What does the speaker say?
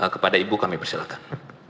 kepada ibu kami persilakan